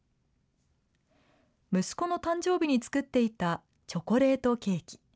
息子の誕生日に作っていたチョコレートケーキ。